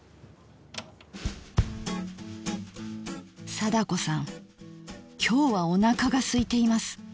貞子さん今日はおなかがすいています。